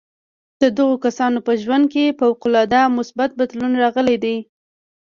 د دغو کسانو په ژوند کې فوق العاده مثبت بدلون راغلی دی